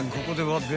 ここでは］